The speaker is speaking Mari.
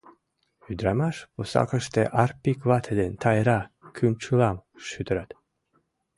Ӱдырамаш пусакыште Арпик вате ден Тайра кӱнчылам шӱдырат.